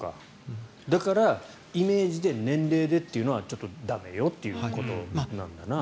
だからイメージで年齢でというのはちょっと駄目よということなんですね。